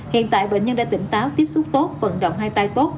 hiện tại bệnh nhân đã tỉnh táo tiếp xúc tốt vận động hai tay tốt